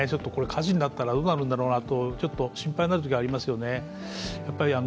火事になったらどうなるんだろうなと心配になるところもありますよね。